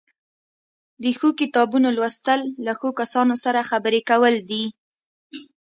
د ښو کتابونو لوستل له ښو کسانو سره خبرې کول دي.